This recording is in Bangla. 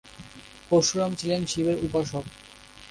পরশুরাম ছিলেন শিবের উপাসক।